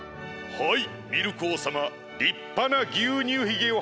はい！